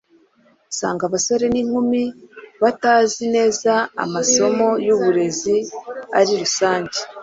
usanga abasore n’inkumi batazi neza amasomo y’uburezi ari rusange.